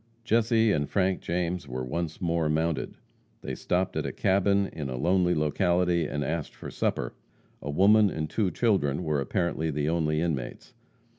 Jesse and Frank James were once more mounted. They stopped at a cabin in a lonely locality and asked for supper. A woman and two children were apparently the only inmates.